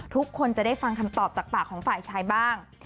ทุกคนจะได้ฟังคำตอบจากปากของฝ่ายชายบ้าง